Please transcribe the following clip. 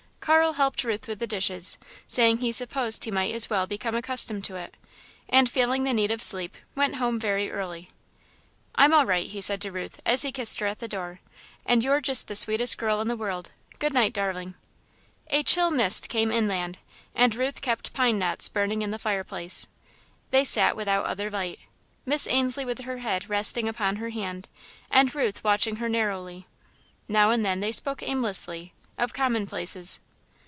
Carl helped Ruth with the dishes, saying he supposed he might as well become accustomed to it, and, feeling the need of sleep, went home very early. "I'm all right," he said to Ruth, as he kissed her at the door, "and you're just the sweetest girl in the world. Good night, darling." A chill mist came inland, and Ruth kept pine knots burning in the fireplace. They sat without other light, Miss Ainslie with her head resting upon her hand, and Ruth watching her narrowly. Now and then they spoke aimlessly, of commonplaces.